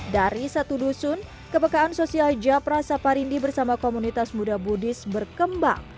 dari satu dusun kepekaan sosial japra saparindi bersama komunitas muda buddhis berkembang